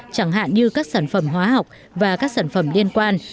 chẳng hạn như các sản phẩm hóa học và các sản phẩm liên quan